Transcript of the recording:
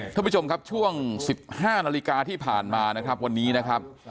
ท่านผู้ชมครับช่วง๑๕นาฬิกาที่ผ่านมานะครับวันนี้นะครับ